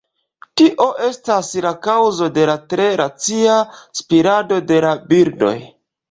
Tio estas la kaŭzo de la tre racia spirado de la birdoj.